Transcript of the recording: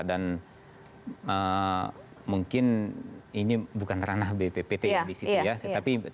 dan mungkin ini bukan ranah bppt yang di situ